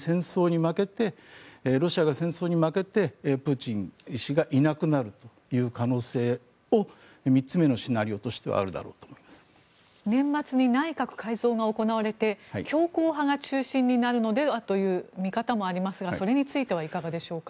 つまりロシアが戦争に負けてプーチン氏がいなくなるという可能性も３つ目のシナリオとしては年末に内閣改造が行われて強硬派が中心になるのではという見方がありますがそれについてはいかがでしょうか。